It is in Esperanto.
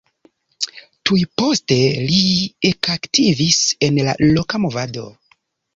Tuj poste li ekaktivis en la loka movado.